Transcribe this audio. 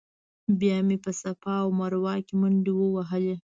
بیا مې په صفا مروه کې منډې ووهلې.